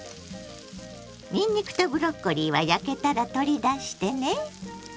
にんにくとブロッコリーは焼けたら取り出してね。